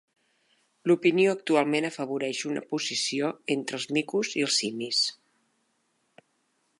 L'opinió actualment afavoreix una posició entre els micos i els simis.